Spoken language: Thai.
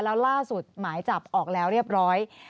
แล้วล่าสุดหมายจับออกแล้วเรียบร้อย